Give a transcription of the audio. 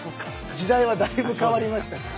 時代はだいぶ変わりましたから。